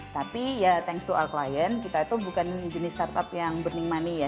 tapi ya thanks to al klient kita itu bukan jenis startup yang burning money ya